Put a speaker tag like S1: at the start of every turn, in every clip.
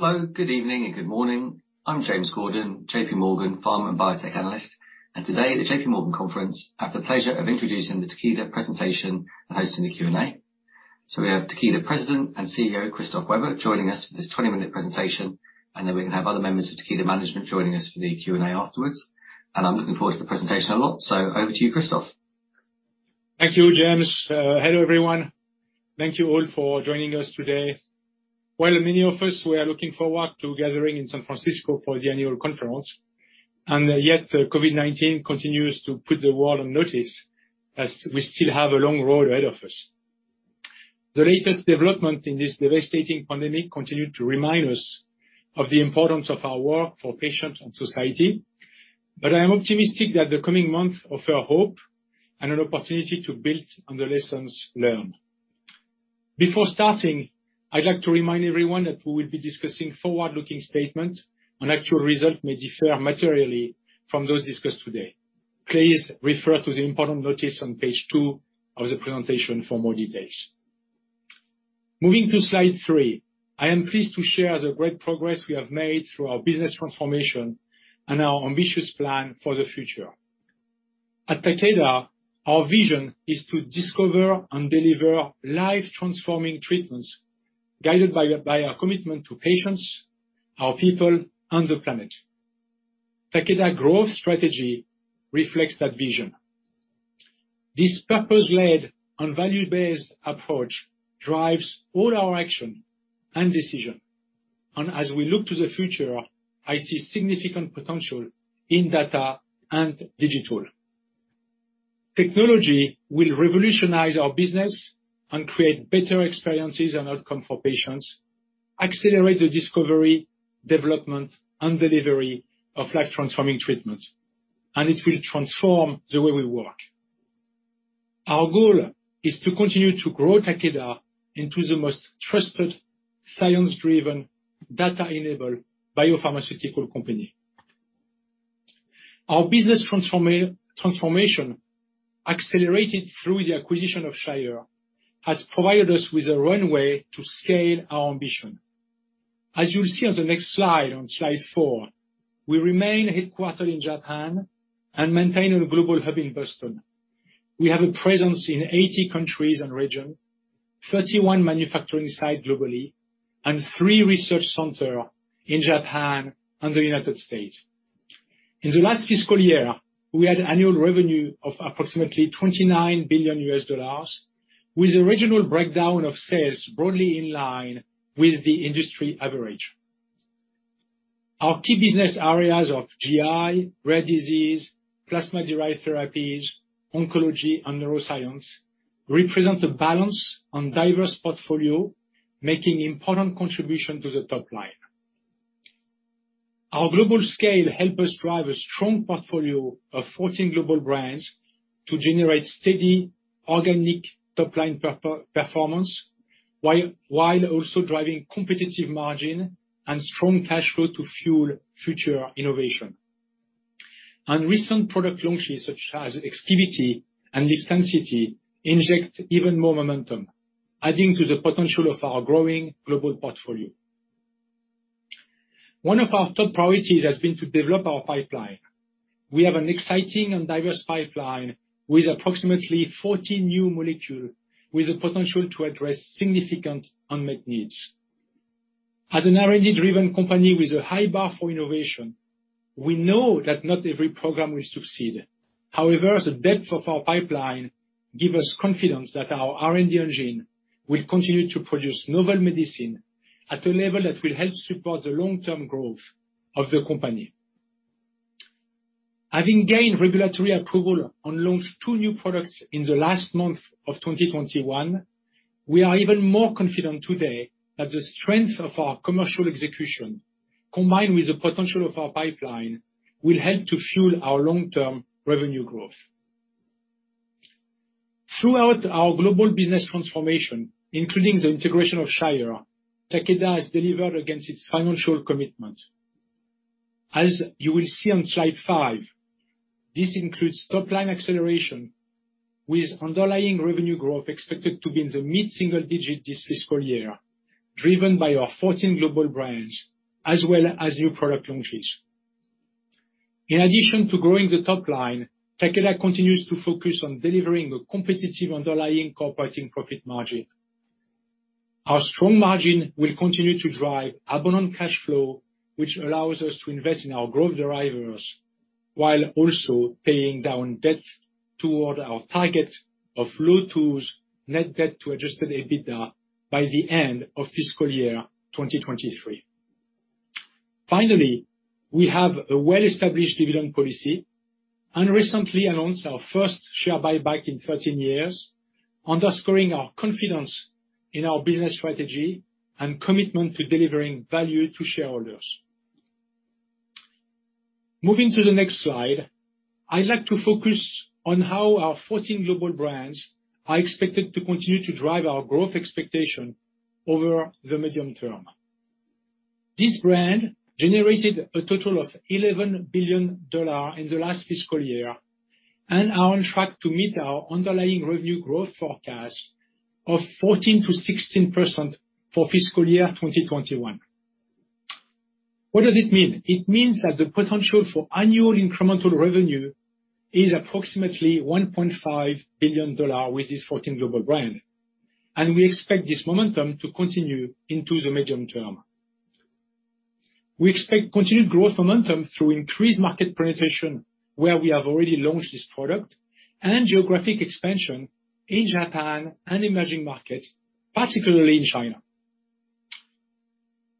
S1: Hello, good evening, and good morning. I'm James Gordon, J.P. Morgan Pharma and Biotech Analyst, and today at the J.P. Morgan Conference, I have the pleasure of introducing the Takeda presentation and hosting the Q&A. So we have Takeda President and CEO, Christophe Weber, joining us for this 20-minute presentation, and then we're going to have other members of Takeda management joining us for the Q&A afterwards. And I'm looking forward to the presentation a lot, so over to you, Christophe.
S2: Thank you, James. Hello, everyone. Thank you all for joining us today. Many of us were looking forward to gathering in San Francisco for the annual conference, and yet COVID-19 continues to put the world on notice as we still have a long road ahead of us. The latest development in this devastating pandemic continues to remind us of the importance of our work for patients and society, but I am optimistic that the coming months offer hope and an opportunity to build on the lessons learned. Before starting, I'd like to remind everyone that we will be discussing forward-looking statements, and actual results may differ materially from those discussed today. Please refer to the important notice on page two of the presentation for more details. Moving to slide three, I am pleased to share the great progress we have made through our business transformation and our ambitious plan for the future. At Takeda, our vision is to discover and deliver life-transforming treatments guided by our commitment to patients, our people, and the planet. Takeda's growth strategy reflects that vision. This purpose-led and value-based approach drives all our action and decision, and as we look to the future, I see significant potential in data and digital. Technology will revolutionize our business and create better experiences and outcomes for patients, accelerate the discovery, development, and delivery of life-transforming treatments, and it will transform the way we work. Our goal is to continue to grow Takeda into the most trusted, science-driven, data-enabled biopharmaceutical company. Our business transformation, accelerated through the acquisition of Shire, has provided us with a runway to scale our ambition. As you'll see on the next slide, on slide four, we remain headquartered in Japan and maintain a global hub in Boston. We have a presence in 80 countries and regions, 31 manufacturing sites globally, and three research centers in Japan and the United States. In the last fiscal year, we had annual revenue of approximately $29 billion US dollars, with a regional breakdown of sales broadly in line with the industry average. Our key business areas of GI, rare disease, plasma-derived therapies, oncology, and neuroscience represent a balance and diverse portfolio, making an important contribution to the top line. Our global scale helps us drive a strong portfolio of 14 global brands to generate steady organic top-line performance while also driving competitive margins and strong cash flow to fuel future innovation. Recent product launches such as Exkivity and Livtencity inject even more momentum, adding to the potential of our growing global portfolio. One of our top priorities has been to develop our pipeline. We have an exciting and diverse pipeline with approximately 40 new molecules, with the potential to address significant unmet needs. As an R&D-driven company with a high bar for innovation, we know that not every program will succeed. However, the depth of our pipeline gives us confidence that our R&D engine will continue to produce novel medicine at a level that will help support the long-term growth of the company. Having gained regulatory approval and launched two new products in the last month of 2021, we are even more confident today that the strength of our commercial execution, combined with the potential of our pipeline, will help to fuel our long-term revenue growth. Throughout our global business transformation, including the integration of Shire, Takeda has delivered against its financial commitment. As you will see on slide five, this includes top-line acceleration, with underlying revenue growth expected to be in the mid-single-digit this fiscal year, driven by our 14 global brands, as well as new product launches. In addition to growing the top line, Takeda continues to focus on delivering a competitive underlying core operating profit margin. Our strong margin will continue to drive abundant cash flow, which allows us to invest in our growth drivers while also paying down debt toward our target of 2x net debt to adjusted EBITDA by the end of fiscal year 2023. Finally, we have a well-established dividend policy and recently announced our first share buyback in 13 years, underscoring our confidence in our business strategy and commitment to delivering value to shareholders. Moving to the next slide, I'd like to focus on how our 14 global brands are expected to continue to drive our growth expectation over the medium term. This brand generated a total of $11 billion in the last fiscal year and are on track to meet our underlying revenue growth forecast of 14%-16% for fiscal year 2021. What does it mean? It means that the potential for annual incremental revenue is approximately $1.5 billion with these 14 global brands, and we expect this momentum to continue into the medium term. We expect continued growth momentum through increased market penetration, where we have already launched this product, and geographic expansion in Japan and emerging markets, particularly in China.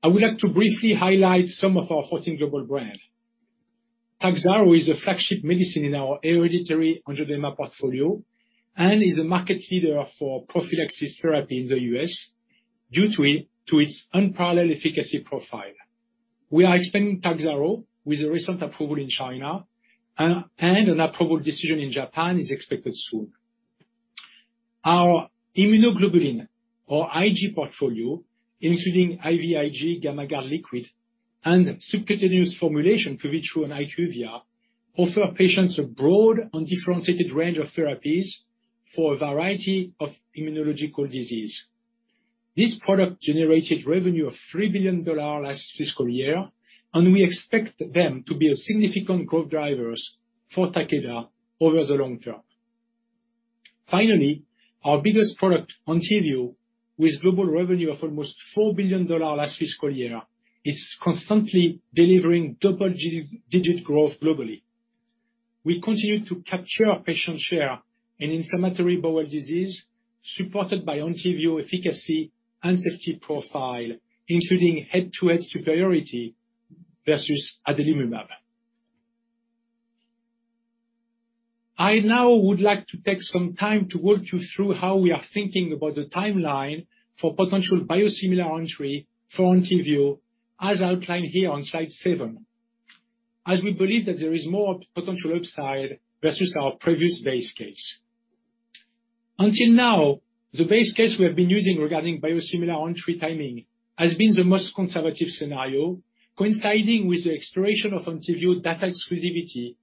S2: I would like to briefly highlight some of our 14 global brands. Takhzyro is a flagship medicine in our hereditary angioedema portfolio and is a market leader for prophylaxis therapy in the U.S. due to its unparalleled efficacy profile. We are expanding Takhzyro with a recent approval in China, and an approval decision in Japan is expected soon. Our immunoglobulin, or IG, portfolio, including IVIG, Gammagard Liquid, and subcutaneous formulation Cuvitru and HyQvia, offers patients a broad and differentiated range of therapies for a variety of immunological diseases. This product generated revenue of $3 billion last fiscal year, and we expect them to be significant growth drivers for Takeda over the long term. Finally, our biggest product, Entyvio, with global revenue of almost $4 billion last fiscal year, is constantly delivering double-digit growth globally. We continue to capture patient share in inflammatory bowel disease, supported by Entyvio's efficacy and safety profile, including head-to-head superiority versus adalimumab. I now would like to take some time to walk you through how we are thinking about the timeline for potential biosimilar entry for Entyvio, as outlined here on slide seven, as we believe that there is more potential upside versus our previous base case. Until now, the base case we have been using regarding biosimilar entry timing has been the most conservative scenario, coinciding with the expiration of Entyvio data exclusivity,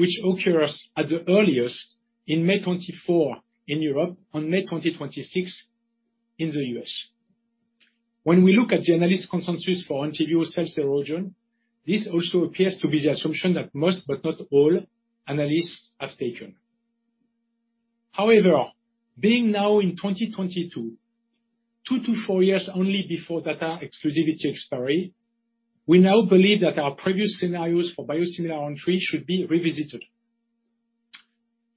S2: which occurs at the earliest in May 2024 in Europe and May 2026 in the U.S. When we look at the analyst consensus for Entyvio sales erosion, this also appears to be the assumption that most, but not all, analysts have taken. However, being now in 2022, two to four years only before data exclusivity expiry, we now believe that our previous scenarios for biosimilar entry should be revisited.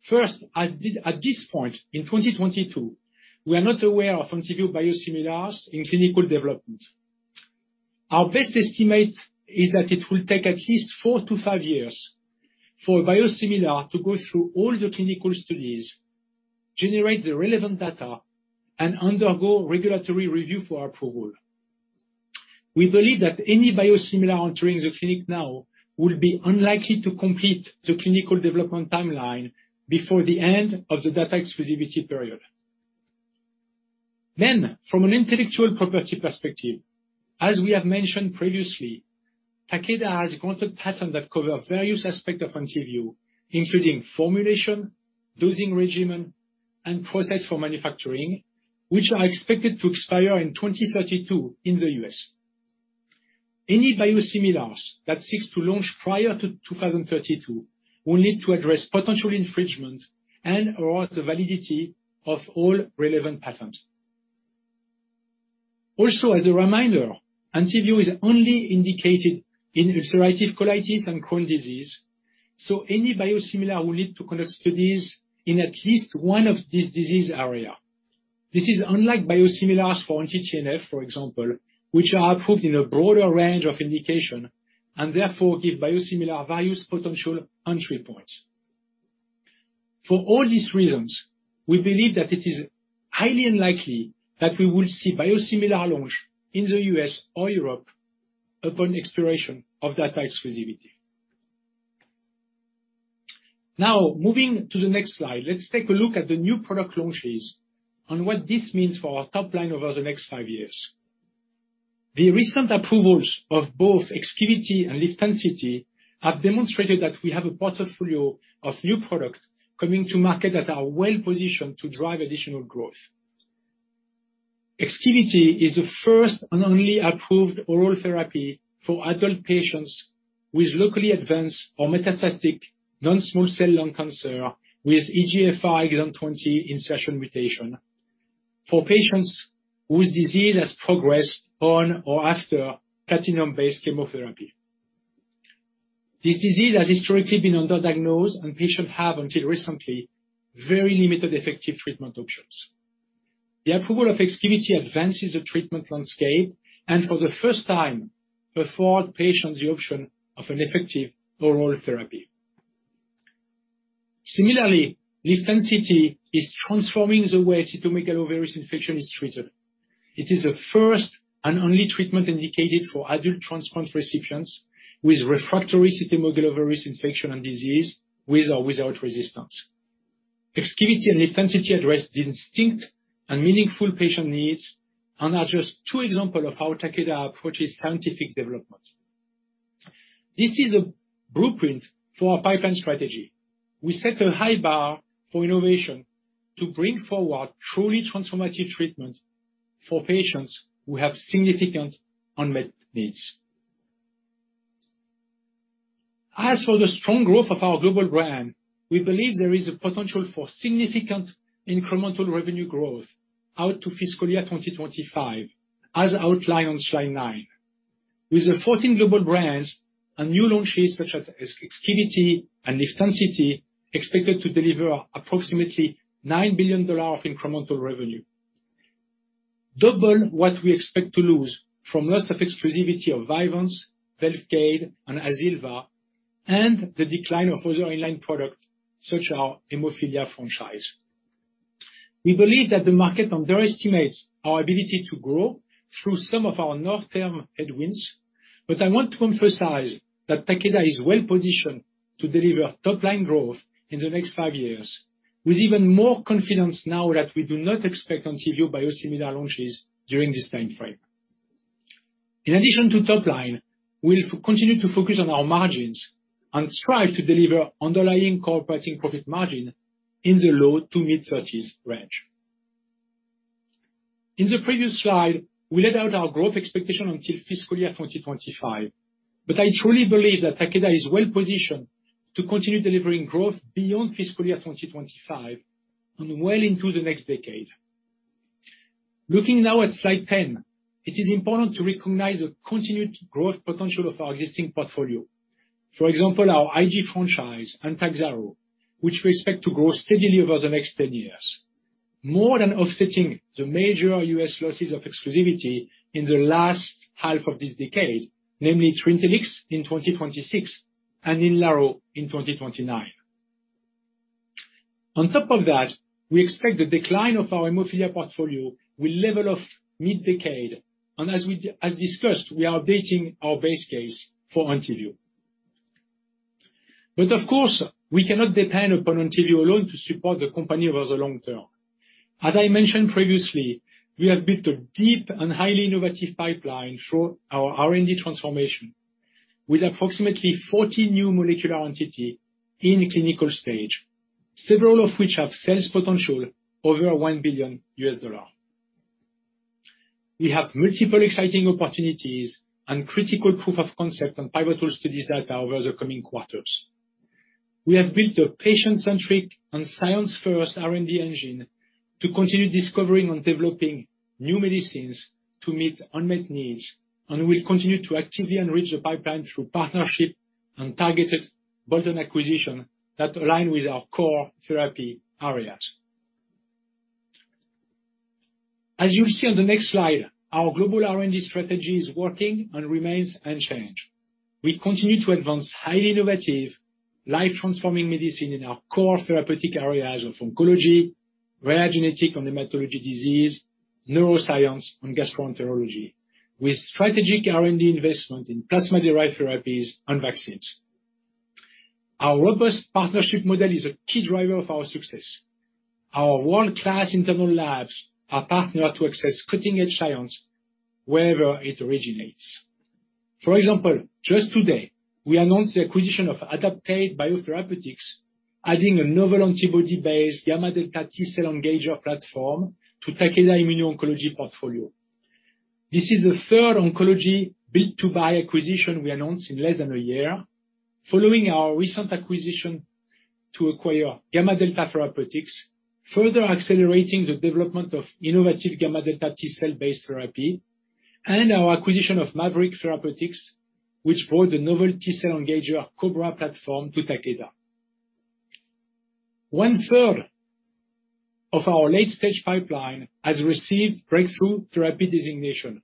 S2: First, at this point in 2022, we are not aware of Entyvio biosimilars in clinical development. Our best estimate is that it will take at least four-to-five years for a biosimilar to go through all the clinical studies, generate the relevant data, and undergo regulatory review for approval. We believe that any biosimilar entering the clinic now will be unlikely to complete the clinical development timeline before the end of the data exclusivity period. Then, from an intellectual property perspective, as we have mentioned previously, Takeda has obtained a patent that covers various aspects of Entyvio, including formulation, dosing regimen, and process for manufacturing, which are expected to expire in 2032 in the U.S. Any biosimilars that seek to launch prior to 2032 will need to address potential infringement and/or the validity of all relevant patents. Also, as a reminder, Entyvio is only indicated in ulcerative colitis and Crohn's disease, so any biosimilar will need to conduct studies in at least one of these disease areas. This is unlike biosimilars for anti-TNF, for example, which are approved in a broader range of indications and therefore give biosimilar various potential entry points. For all these reasons, we believe that it is highly unlikely that we will see biosimilar launch in the U.S. or Europe upon expiration of data exclusivity. Now, moving to the next slide, let's take a look at the new product launches and what this means for our top line over the next five years. The recent approvals of both Exkivity and Livtencity have demonstrated that we have a portfolio of new products coming to market that are well-positioned to drive additional growth. Exkivity is the first and only approved oral therapy for adult patients with locally advanced or metastatic non-small cell lung cancer with EGFR exon 20 insertion mutation for patients whose disease has progressed on or after platinum-based chemotherapy. This disease has historically been underdiagnosed, and patients have until recently very limited effective treatment options. The approval of Exkivity advances the treatment landscape and, for the first time, affords patients the option of an effective oral therapy. Similarly, Livtencity is transforming the way cytomegalovirus infection is treated. It is the first and only treatment indicated for adult transplant recipients with refractory cytomegalovirus infection and disease with or without resistance. Exkivity and Livtencity address the distinct and meaningful patient needs and are just two examples of how Takeda approaches scientific development. This is a blueprint for our pipeline strategy. We set a high bar for innovation to bring forward truly transformative treatments for patients who have significant unmet needs. As for the strong growth of our global brand, we believe there is a potential for significant incremental revenue growth out to fiscal year 2025, as outlined on slide nine. With the 14 global brands and new launches such as Exkivity and Livtencity expected to deliver approximately $9 billion of incremental revenue, double what we expect to lose from loss of exclusivity of Vyvanse, Velcade, and Azilva, and the decline of other inline products such as our hemophilia franchise. We believe that the market underestimates our ability to grow through some of our long-term headwinds, but I want to emphasize that Takeda is well-positioned to deliver top-line growth in the next five years, with even more confidence now that we do not expect Entyvio biosimilar launches during this time frame. In addition to top-line, we'll continue to focus on our margins and strive to deliver underlying core operating profit margin in the low-to mid-30s range. In the previous slide, we laid out our growth expectation until fiscal year 2025, but I truly believe that Takeda is well-positioned to continue delivering growth beyond fiscal year 2025 and well into the next decade. Looking now at slide 10, it is important to recognize the continued growth potential of our existing portfolio. For example, our IG franchise and Takhzyro, which we expect to grow steadily over the next 10 years, more than offsetting the major U.S. losses of exclusivity in the last half of this decade, namely Trintellix in 2026 and Ninlaro in 2029. On top of that, we expect the decline of our hemophilia portfolio will level off mid-decade, and as discussed, we are updating our base case for Entyvio. But of course, we cannot depend upon Entyvio alone to support the company over the long term. As I mentioned previously, we have built a deep and highly innovative pipeline through our R&D transformation with approximately 40 new molecular entities in clinical stage, several of which have sales potential over $1 billion. We have multiple exciting opportunities and critical proof of concept and pivotal studies data over the coming quarters. We have built a patient-centric and science-first R&D engine to continue discovering and developing new medicines to meet unmet needs, and we'll continue to actively enrich the pipeline through partnership and targeted bolt-on acquisition that align with our core therapy areas. As you'll see on the next slide, our global R&D strategy is working and remains unchanged. We continue to advance highly innovative, life-transforming medicine in our core therapeutic areas of oncology, rare genetic and hematology disease, neuroscience, and gastroenterology, with strategic R&D investment in plasma-derived therapies and vaccines. Our robust partnership model is a key driver of our success. Our world-class internal labs are partnered to access cutting-edge science wherever it originates. For example, just today, we announced the acquisition of Adaptate Biotherapeutics, adding a novel antibody-based gamma delta T cell engager platform to Takeda's immuno-oncology portfolio. This is the third oncology build-to-buy acquisition we announced in less than a year, following our recent acquisition to acquire GammaDelta Therapeutics, further accelerating the development of innovative gamma delta T cell-based therapy, and our acquisition of Maverick Therapeutics, which brought the novel T cell engager COBRA platform to Takeda. One third of our late-stage pipeline has received breakthrough therapy designation,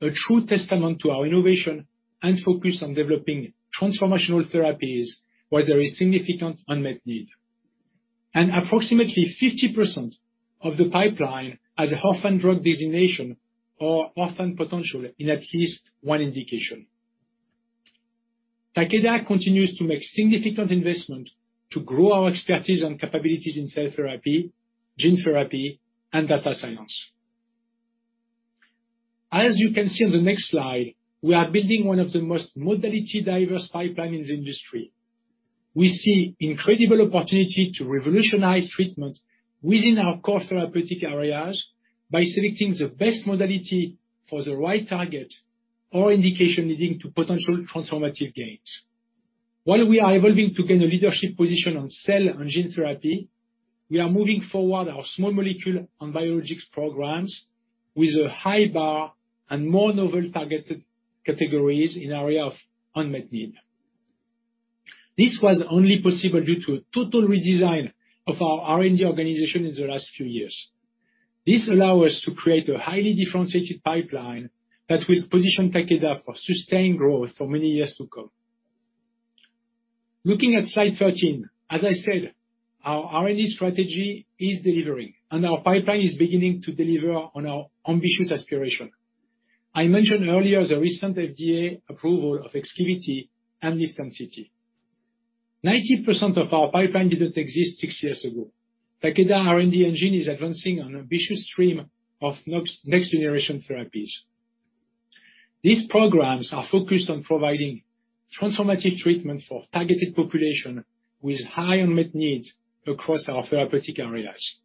S2: a true testament to our innovation and focus on developing transformational therapies where there is significant unmet need, and approximately 50% of the pipeline has an orphan drug designation or orphan potential in at least one indication. Takeda continues to make significant investment to grow our expertise and capabilities in cell therapy, gene therapy, and data science. As you can see on the next slide, we are building one of the most modality-diverse pipelines in the industry. We see incredible opportunity to revolutionize treatment within our core therapeutic areas by selecting the best modality for the right target or indication leading to potential transformative gains. While we are evolving to gain a leadership position on cell and gene therapy, we are moving forward our small molecule and biologics programs with a high bar and more novel targeted categories in the area of unmet need. This was only possible due to a total redesign of our R&D organization in the last few years. This allows us to create a highly differentiated pipeline that will position Takeda for sustained growth for many years to come. Looking at Slide 13, as I said, our R&D strategy is delivering, and our pipeline is beginning to deliver on our ambitious aspiration. I mentioned earlier the recent FDA approval of Exkivity and Livtencity. 90% of our pipeline didn't exist six years ago. Takeda R&D engine is advancing an ambitious stream of next-generation therapies. These programs are focused on providing transformative treatment for targeted population with high unmet needs across our therapeutic areas.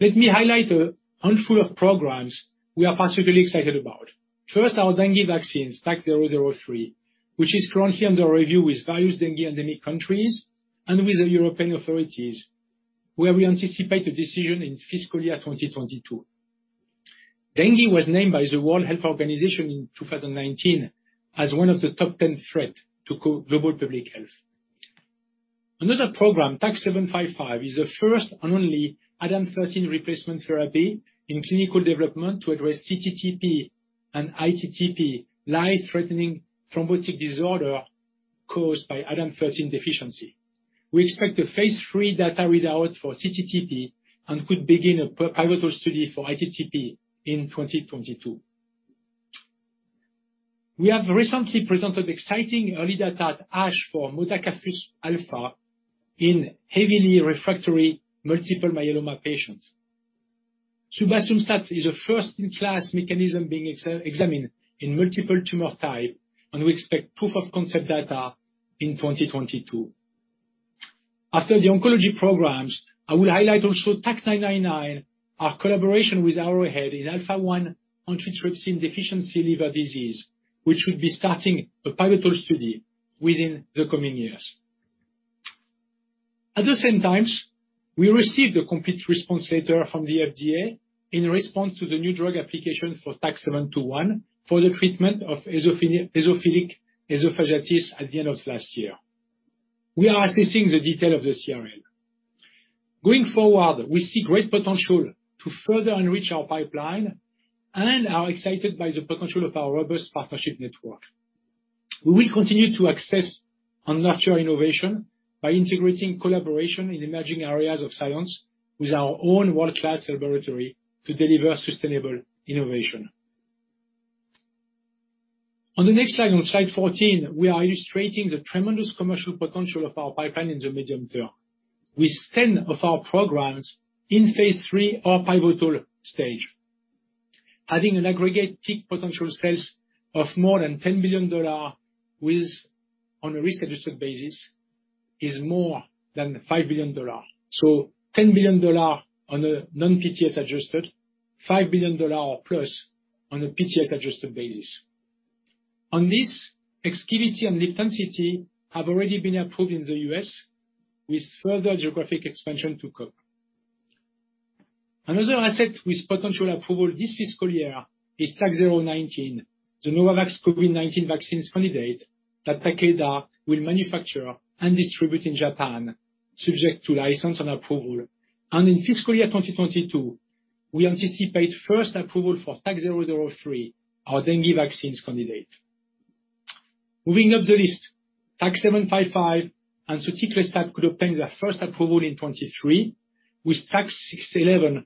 S2: Let me highlight a handful of programs we are particularly excited about. First, our dengue vaccine, TAK-003, which is currently under review with various dengue endemic countries and with the European authorities, where we anticipate a decision in fiscal year 2022. Dengue was named by the World Health Organization in 2019 as one of the top 10 threats to global public health. Another program, TAK-755, is the first and only ADAMTS13 replacement therapy in clinical development to address cTTP and iTTP, life-threatening thrombotic disorder caused by ADAMTS13 deficiency. We expect a phase III data readout for cTTP and could begin a pivotal study for iTTP in 2022. We have recently presented exciting early data at ASH for modakafusp alfa in heavily refractory multiple myeloma patients. Subasumstat is a first-in-class mechanism being examined in multiple tumor types, and we expect proof of concept data in 2022. After the oncology programs, I will highlight also TAK-999, our collaboration with Arrowhead in alpha-1 antitrypsin deficiency liver disease, which should be starting a pivotal study within the coming years. At the same time, we received a Complete Response Letter from the FDA in response to the new drug application for TAK-721 for the treatment of esophagitis at the end of last year. We are assessing the detail of the CRL. Going forward, we see great potential to further enrich our pipeline and are excited by the potential of our robust partnership network. We will continue to access and nurture innovation by integrating collaboration in emerging areas of science with our own world-class laboratory to deliver sustainable innovation. On the next slide, on slide 14, we are illustrating the tremendous commercial potential of our pipeline in the medium term. With 10 of our programs in phase III or pivotal stage, having an aggregate peak potential sales of more than $10 billion on a risk-adjusted basis is more than $5 billion. So, $10 billion on a non-PTS adjusted, $5 billion or plus on a PTS adjusted basis. On this, Exkivity and Livtencity have already been approved in the U.S., with further geographic expansion to come. Another asset with potential approval this fiscal year is TAK-019, the Novavax COVID-19 vaccine candidate that Takeda will manufacture and distribute in Japan, subject to license and approval. In fiscal year 2022, we anticipate first approval for TAK-003, our dengue vaccine candidate. Moving up the list, TAK-755 and subasumstat could obtain their first approval in 2023, with TAK-611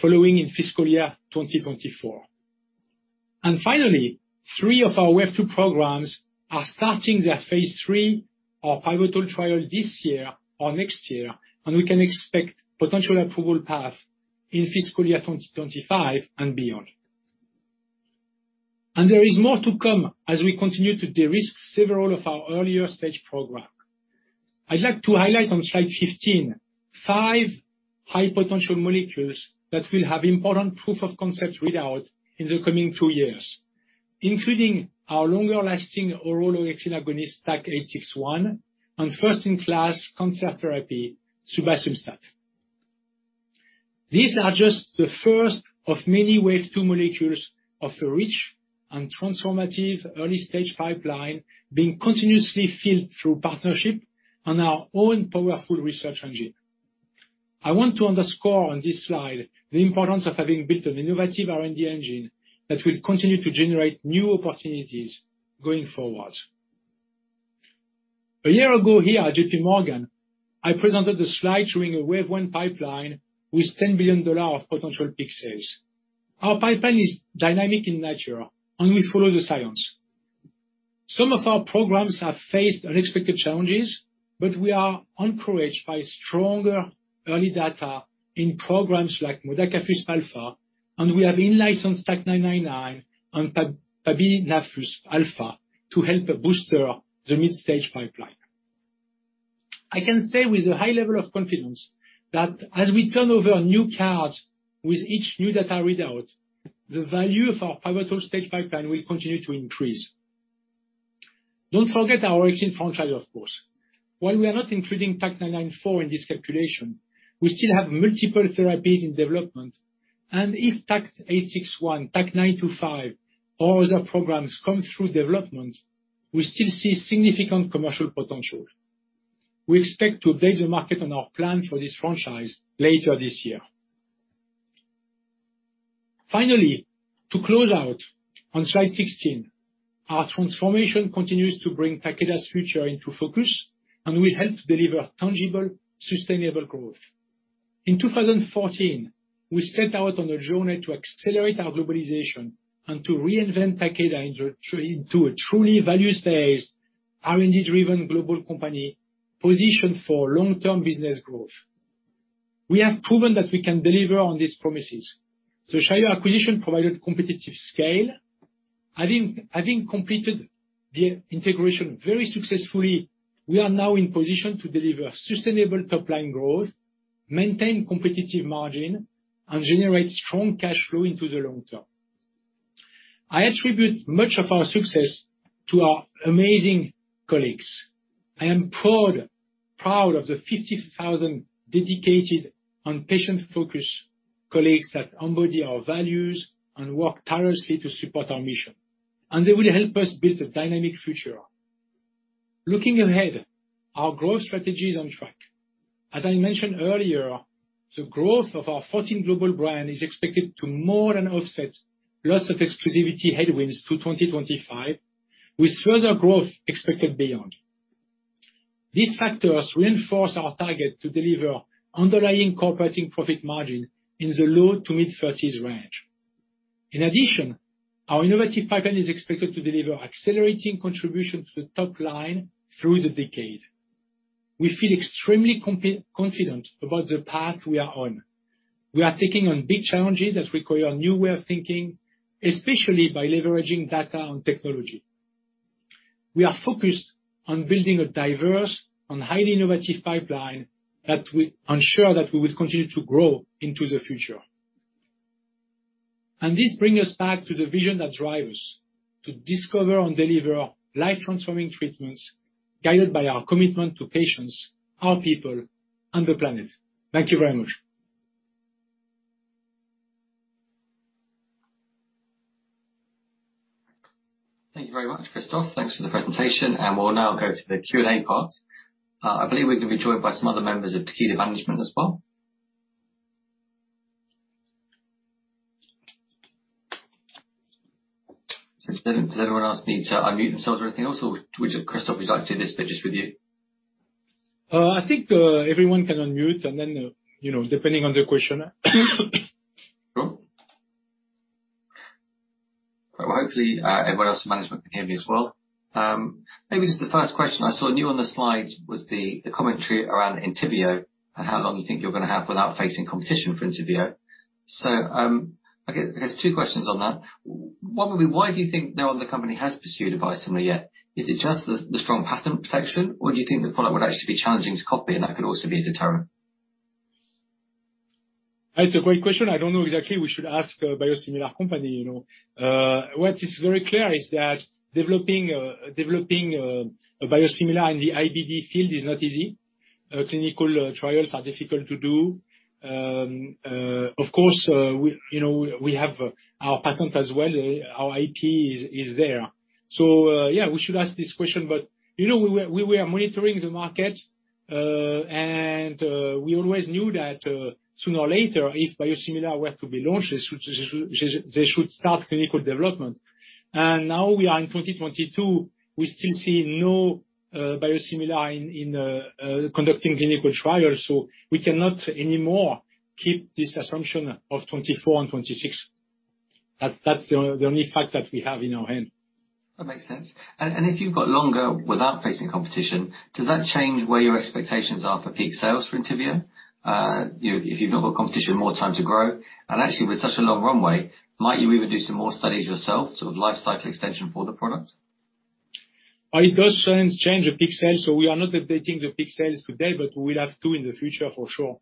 S2: following in fiscal year 2024. Finally, three of our Wave 2 programs are starting their phase III or pivotal trial this year or next year, and we can expect potential approval path in fiscal year 2025 and beyond. There is more to come as we continue to de-risk several of our earlier stage programs. I'd like to highlight on slide 15 five high-potential molecules that will have important proof of concept readout in the coming two years, including our longer-lasting oral orexin agonist, TAK-861, and first-in-class cancer therapy, subasumstat. These are just the first of many Wave 2 molecules of a rich and transformative early-stage pipeline being continuously filled through partnership and our own powerful research engine. I want to underscore on this slide the importance of having built an innovative R&D engine that will continue to generate new opportunities going forward. A year ago here at J.P. Morgan, I presented a slide showing a Wave 1 pipeline with $10 billion of potential peak sales. Our pipeline is dynamic in nature, and we follow the science. Some of our programs have faced unexpected challenges, but we are encouraged by stronger early data in programs like modakafusp alfa, and we have in-licensed TAK-999 and pabinafusp alfa to help boost the mid-stage pipeline. I can say with a high level of confidence that as we turn over new cards with each new data readout, the value of our pivotal stage pipeline will continue to increase. Don't forget our orexin franchise, of course. While we are not including TAK-994 in this calculation, we still have multiple therapies in development, and if TAK-861, TAK-925, or other programs come through development, we still see significant commercial potential. We expect to update the market on our plan for this franchise later this year. Finally, to close out, on slide 16, our transformation continues to bring Takeda's future into focus and will help to deliver tangible, sustainable growth. In 2014, we set out on a journey to accelerate our globalization and to reinvent Takeda into a truly values-based, R&D-driven global company positioned for long-term business growth. We have proven that we can deliver on these promises. The Shire acquisition provided competitive scale. Having completed the integration very successfully, we are now in position to deliver sustainable top-line growth, maintain competitive margin, and generate strong cash flow into the long term. I attribute much of our success to our amazing colleagues. I am proud of the 50,000 dedicated and patient-focused colleagues that embody our values and work tirelessly to support our mission, and they will help us build a dynamic future. Looking ahead, our growth strategy is on track. As I mentioned earlier, the growth of our 14 global brands is expected to more than offset loss of exclusivity headwinds to 2025, with further growth expected beyond. These factors reinforce our target to deliver underlying core operating profit margin in the low-to-mid 30s range. In addition, our innovative pipeline is expected to deliver accelerating contribution to the top line through the decade. We feel extremely confident about the path we are on. We are taking on big challenges that require a new way of thinking, especially by leveraging data and technology. We are focused on building a diverse and highly innovative pipeline that will ensure that we will continue to grow into the future, and this brings us back to the vision that drives us to discover and deliver life-transforming treatments guided by our commitment to patients, our people, and the planet. Thank you very much.
S1: Thank you very much, Christophe. Thanks for the presentation, and we'll now go to the Q&A part. I believe we're going to be joined by some other members of Takeda management as well. Does anyone else need to unmute themselves or anything else, or would you, Christophe, if you'd like to do this, but just with you?
S2: I think everyone can unmute, and then depending on the question.
S1: Hopefully, everyone else in management can hear me as well. Maybe just the first question I saw new on the slides was the commentary around Entyvio and how long you think you're going to have without facing competition for Entyvio. So I guess two questions on that. One would be, why do you think no other company has pursued a biosimilar yet? Is it just the strong patent protection, or do you think the product would actually be challenging to copy, and that could also be a deterrent?
S2: That's a great question. I don't know exactly. We should ask a biosimilar company. What is very clear is that developing a biosimilar in the IBD field is not easy. Clinical trials are difficult to do. Of course, we have our patent as well. Our IP is there. So yeah, we should ask this question, but we were monitoring the market, and we always knew that sooner or later, if biosimilar were to be launched, they should start clinical development. And now we are in 2022. We still see no biosimilar in conducting clinical trials, so we cannot anymore keep this assumption of 2024 and 2026. That's the only fact that we have in our hand.
S1: That makes sense. And if you've got longer without facing competition, does that change where your expectations are for peak sales for Entyvio? If you've not got competition, more time to grow. And actually, with such a long runway, might you even do some more studies yourself, sort of life cycle extension for the product?
S2: It does change the peak sales, so we are not updating the peak sales today, but we will have to in the future for sure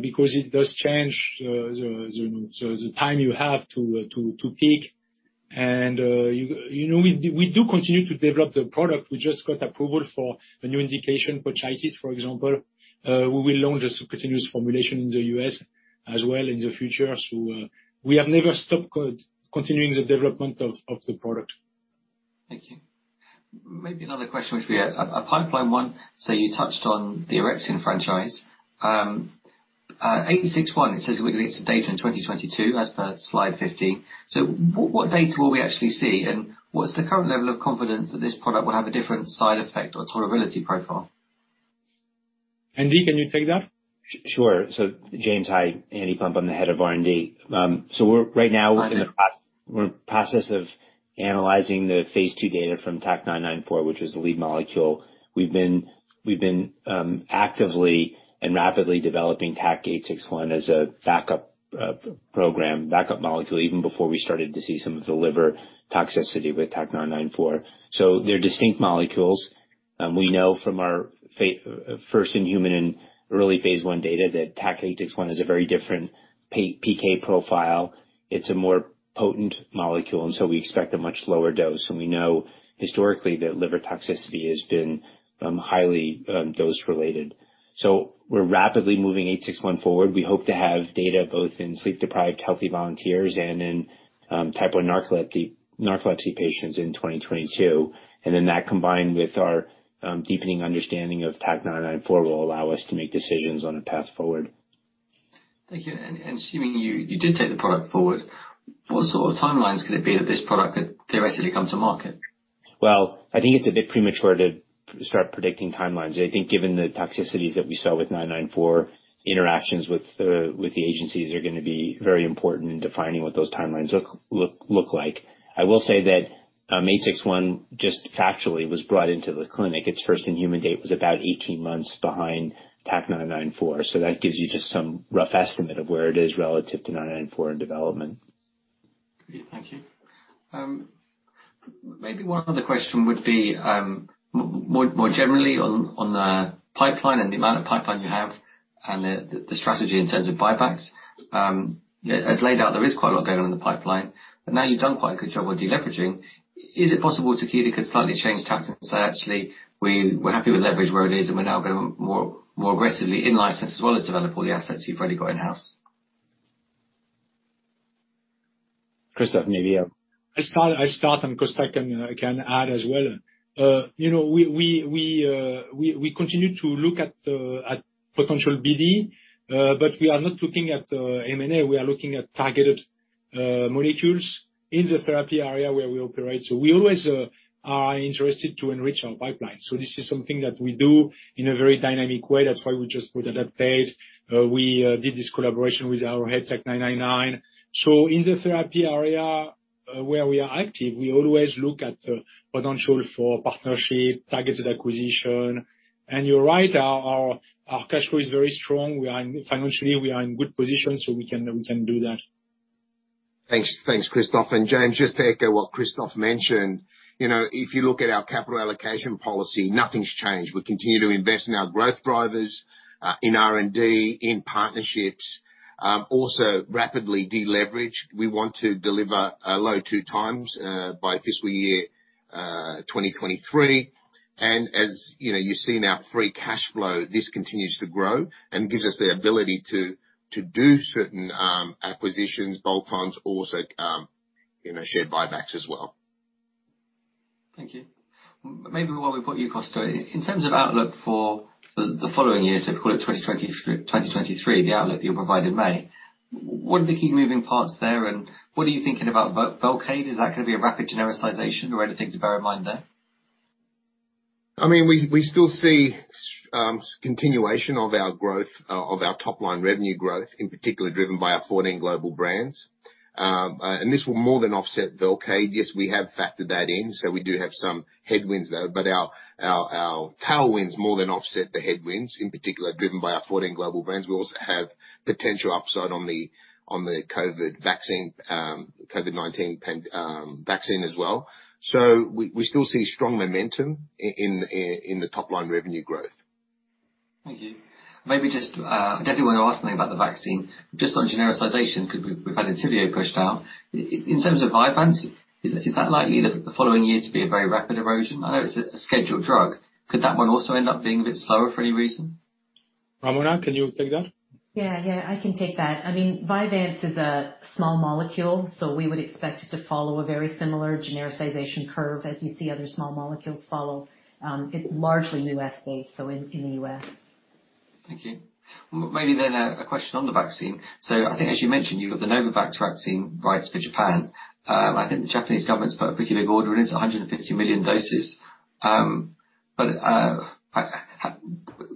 S2: because it does change the time you have to peak, and we do continue to develop the product. We just got approval for a new indication, pouchitis, for example. We will launch a subcutaneous formulation in the U.S. as well in the future, so we have never stopped continuing the development of the product. Thank you.
S1: Maybe another question if we had a pipeline one, so you touched on the Orexin franchise. 861, it says it's a data in 2022 as per slide 15. So what data will we actually see, and what's the current level of confidence that this product will have a different side effect or tolerability profile?
S2: Andy, can you take that?
S3: Sure, so James, hi. Andy Plump, I'm the head of R&D. So right now, we're in the process of analyzing the phase II data from TAK-994, which was the lead molecule. We've been actively and rapidly developing TAK-861 as a backup program, backup molecule, even before we started to see some of the liver toxicity with TAK-994. So they're distinct molecules. We know from our first in human and early phase I data that TAK-861 has a very different PK profile. It's a more potent molecule, and so we expect a much lower dose. And we know historically that liver toxicity has been highly dose-related. So we're rapidly moving 861 forward. We hope to have data both in sleep-deprived healthy volunteers and in type 1 narcolepsy patients in 2022. And then that combined with our deepening understanding of TAK-994 will allow us to make decisions on a path forward. Thank you.
S1: Assuming you did take the product forward, what sort of timelines could it be that this product could theoretically come to market?
S3: Well, I think it's a bit premature to start predicting timelines. I think given the toxicities that we saw with TAK-994, interactions with the agencies are going to be very important in defining what those timelines look like. I will say that TAK-861 just factually was brought into the clinic. Its first in human date was about 18 months behind TAK-994. So that gives you just some rough estimate of where it is relative to TAK-994 in development.
S1: Thank you. Maybe one other question would be more generally on the pipeline and the amount of pipeline you have and the strategy in terms of buybacks. As laid out, there is quite a lot going on in the pipeline, but now you've done quite a good job of deleveraging. Is it possible Takeda could slightly change tack and say, "Actually, we're happy with leverage where it is, and we're now going to more aggressively in-license as well as develop all the assets you've already got in-house"? Christophe, maybe you.
S2: I'll start and Christophe can add as well. We continue to look at potential BD, but we are not looking at M&A. We are looking at targeted molecules in the therapy area where we operate. So we always are interested to enrich our pipeline. So this is something that we do in a very dynamic way. That's why we just acquired Adaptate. We did this collaboration with Arrowhead TAK-999. So in the therapy area where we are active, we always look at potential for partnership, targeted acquisition. And you're right, our cash flow is very strong. Financially, we are in good position, so we can do that.
S3: Thanks, Christophe. And James, just to echo what Christophe mentioned, if you look at our capital allocation policy, nothing's changed. We continue to invest in our growth drivers, in R&D, in partnerships. Also, rapidly deleverage. We want to deliver low 2x by fiscal year 2023. And as you see in our free cash flow, this continues to grow and gives us the ability to do certain acquisitions, bolt-ons, also share buybacks as well.
S1: Thank you. Maybe while we've got you, Christophe, in terms of outlook for the following year, so call it 2023, the outlook that you'll provide in May, what are the key moving parts there? What are you thinking about Velcade? Is that going to be a rapid genericization or anything to bear in mind there?
S2: I mean, we still see continuation of our growth, of our top-line revenue growth, in particular driven by our 14 global brands. And this will more than offset Velcade. Yes, we have factored that in, so we do have some headwinds there, but our tailwinds more than offset the headwinds, in particular driven by our 14 global brands. We also have potential upside on the COVID vaccine, COVID-19 vaccine as well. So we still see strong momentum in the top-line revenue growth.
S1: Thank you. Maybe just, I don't think we're asking about the vaccine. Just on genericization, because we've had Entyvio pushed out, in terms of Vyvanse, is that likely the following year to be a very rapid erosion? I know it's a scheduled drug. Could that one also end up being a bit slower for any reason?
S2: Ramona, can you take that?
S4: Yeah, yeah. I can take that. I mean, Vyvanse is a small molecule, so we would expect it to follow a very similar genericization curve as you see other small molecules follow. It's largely U.S.-based, so in the U.S.
S1: Thank you. Maybe then a question on the vaccine. So I think, as you mentioned, you've got the Novavax vaccine right for Japan. I think the Japanese government's put a pretty big order in it, 150 million doses. But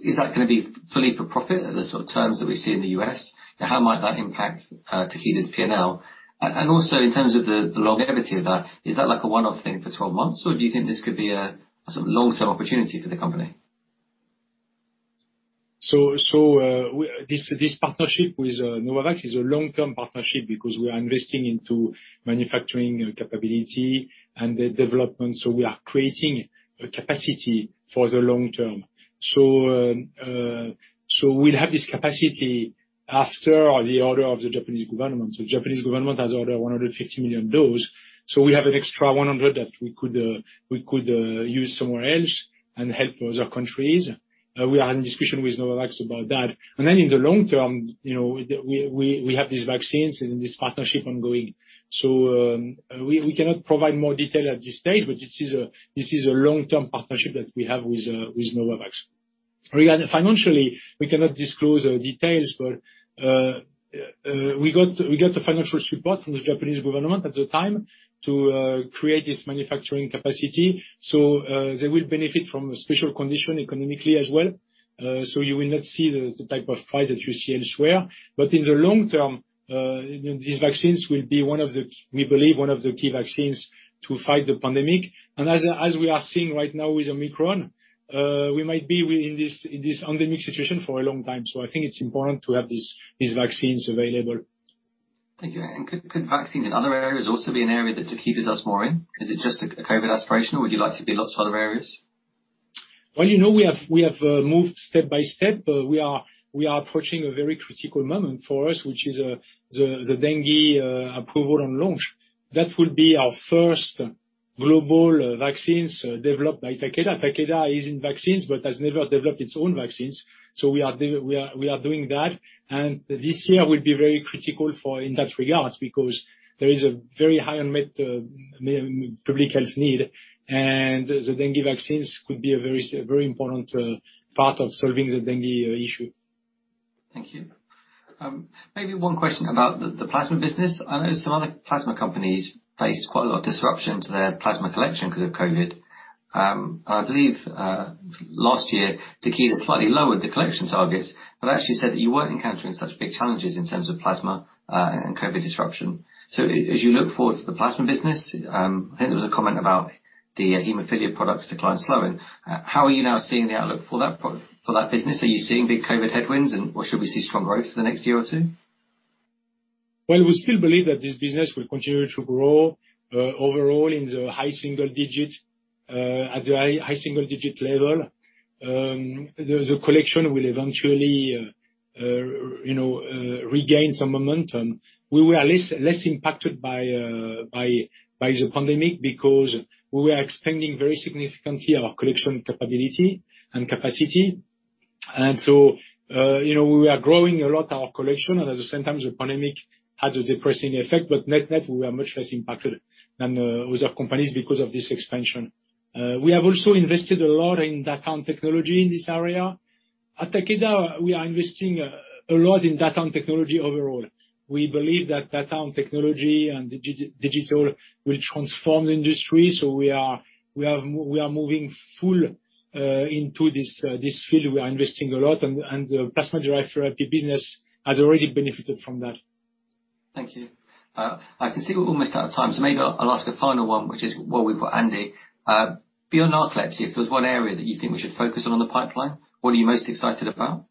S1: is that going to be fully for profit, the sort of terms that we see in the U.S.? How might that impact Takeda's P&L? And also, in terms of the longevity of that, is that like a one-off thing for 12 months, or do you think this could be a sort of long-term opportunity for the company?
S2: So this partnership with Novavax is a long-term partnership because we are investing into manufacturing capability and the development. So we are creating a capacity for the long term. So we'll have this capacity after the order of the Japanese government. The Japanese government has ordered 150 million doses. So we have an extra 100 million that we could use somewhere else and help other countries. We are in discussion with Novavax about that. And then in the long term, we have these vaccines and this partnership ongoing. So we cannot provide more detail at this stage, but this is a long-term partnership that we have with Novavax. Financially, we cannot disclose details, but we got the financial support from the Japanese government at the time to create this manufacturing capacity. So they will benefit from special conditions economically as well. So you will not see the type of price that you see elsewhere. But in the long term, these vaccines will be, we believe, one of the key vaccines to fight the pandemic. And as we are seeing right now with Omicron, we might be in this endemic situation for a long time. So I think it's important to have these vaccines available.
S1: Thank you. And could vaccines in other areas also be an area that Takeda does more in? Is it just a COVID aspiration, or would you like to be lots of other areas?
S2: Well, we have moved step by step. We are approaching a very critical moment for us, which is the dengue approval and launch. That will be our first global vaccines developed by Takeda. Takeda is in vaccines, but has never developed its own vaccines. So we are doing that. And this year will be very critical in that regard because there is a very high unmet public health need, and the dengue vaccines could be a very important part of solving the dengue issue.
S1: Thank you. Maybe one question about the plasma business. I know some other plasma companies faced quite a lot of disruption to their plasma collection because of COVID. And I believe last year, Takeda slightly lowered the collection targets, but actually said that you weren't encountering such big challenges in terms of plasma and COVID disruption. So as you look forward to the plasma business, I think there was a comment about the hemophilia products to clients alone. How are you now seeing the outlook for that business? Are you seeing big COVID headwinds, or should we see strong growth for the next year or two?
S2: Well, we still believe that this business will continue to grow overall in the high single digit, at the high single digit level. The collection will eventually regain some momentum. We were less impacted by the pandemic because we were expanding very significantly our collection capability and capacity. And so we were growing a lot our collection, and at the same time, the pandemic had a depressing effect, but net net, we were much less impacted than other companies because of this expansion. We have also invested a lot in data and technology in this area. At Takeda, we are investing a lot in data and technology overall. We believe that data and technology and digital will transform the industry. So we are moving full into this field. We are investing a lot, and the plasma-derived therapy business has already benefited from that.
S1: Thank you. I can see we're almost out of time, so maybe I'll ask a final one, which is what we've got, Andy. Beyond narcolepsy, if there was one area that you think we should focus on in the pipeline, what are you most excited about?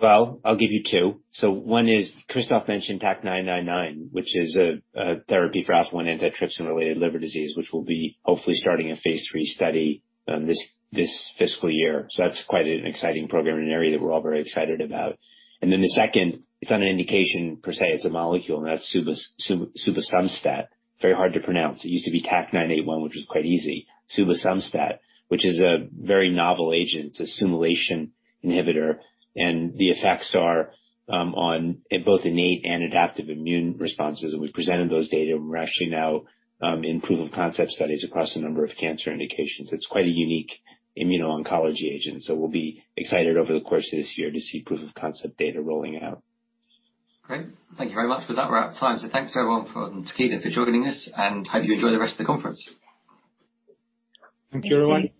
S3: Well, I'll give you two. So one is Christophe mentioned TAK-999, which is a therapy for alpha-1 antitrypsin-related liver disease, which will be hopefully starting a phase III study this fiscal year. So that's quite an exciting program in an area that we're all very excited about. And then the second, it's not an indication per se. It's a molecule, and that's subasumstat. Very hard to pronounce. It used to be TAK-981, which was quite easy. subasumstat, which is a very novel agent, a SUMOylation inhibitor, and the effects are on both innate and adaptive immune responses. And we've presented those data, and we're actually now in proof of concept studies across a number of cancer indications. It's quite a unique immuno-oncology agent. We'll be excited over the course of this year to see proof of concept data rolling out.
S1: Okay. Thank you very much. With that, we're out of time. Thanks to everyone from Takeda for joining us, and hope you enjoy the rest of the conference. Thank you, everyone.